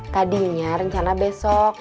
tadinya rencana besok